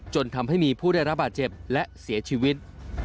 จนทำให้มีผู้ได้รับบาดเจ็บและเสียชีวิต